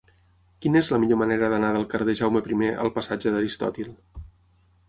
Quina és la millor manera d'anar del carrer de Jaume I al passatge d'Aristòtil?